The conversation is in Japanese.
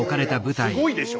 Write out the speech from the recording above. もうすごいでしょ。